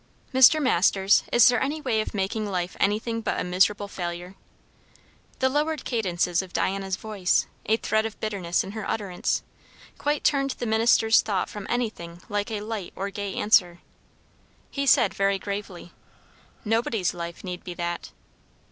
"Mr. Masters, is there any way of making life anything but a miserable failure?" The lowered cadences of Diana's voice, a thread of bitterness in her utterance, quite turned the minister's thought from anything like a light or a gay answer. He said very gravely, "Nobody's life need be that."